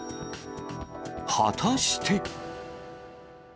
果たして。